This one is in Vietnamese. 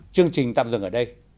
chương trình tạm dừng ở đây